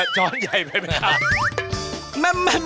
ช้อนใหญ่ไปไหมครับ